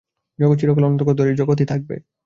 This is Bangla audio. জগৎ চিরকাল অনন্তকাল ধরে জগৎই থাকবে।